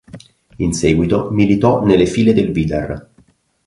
In seguito, militò nelle file del Vidar.